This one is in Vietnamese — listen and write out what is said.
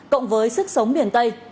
cộng với sức sống miền tây